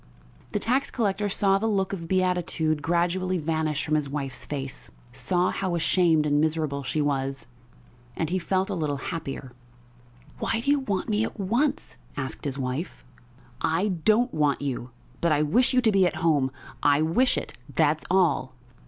The tax collector saw the look of beatitude gradually vanish from his wife's face, saw how ashamed and miserable she was and he felt a little happier. "Why do you want me at once?" asked his wife. "I don't want you, but I wish you to be at home. I wish it, that's all."